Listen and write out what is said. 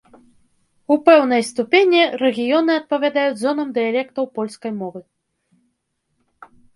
У пэўнай ступені, рэгіёны адпавядаюць зонам дыялектаў польскай мовы.